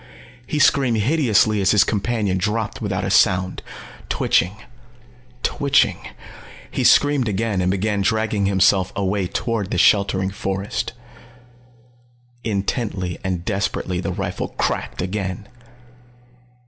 He screamed hideously as his companion dropped without a sound, twitching, twitching he screamed again and began dragging himself away toward the sheltering forest. Intently and desperately the rifle cracked again.